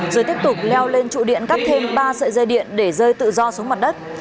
rồi tiếp tục leo lên trụ điện cắt thêm ba sợi dây điện để rơi tự do xuống mặt đất